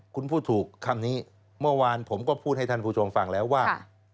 คุณพูดถูกคำนี้เมื่อวานผมก็พูดให้ท่านผู้ชมฟังแล้วว่า